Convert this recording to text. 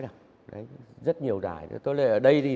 rất nhiều dài